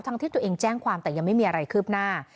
ที่ตัวเองแจ้งความแต่ยังไม่มีอะไรคืบหน้า